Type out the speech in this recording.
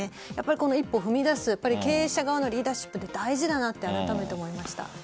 一歩踏み出す経営者側のリーダーシップ大事だなってあらためて思いました。